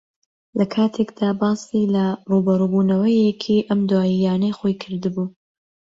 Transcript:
لەکاتێکدا باسی لە ڕووبەڕووبوونەوەیەکی ئەم دواییانەی خۆی کردبوو